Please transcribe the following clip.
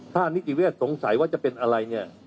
ถ้านิติเวศสงสัยว่าจะเป็นอะไรเนี่ย